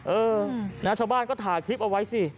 เออนะชาวบ้านก็ถ่ายคลิปเอาไว้สิ